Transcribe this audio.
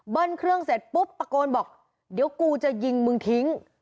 เครื่องเสร็จปุ๊บตะโกนบอกเดี๋ยวกูจะยิงมึงทิ้ง